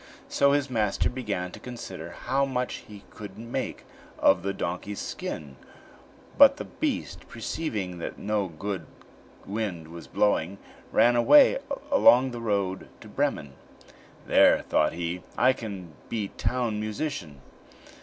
So his master began to consider how much he could make of the donkey's skin, but the beast, perceiving that no good wind was blowing, ran away along the road to Bremen. "There," thought he, "I can be town musician."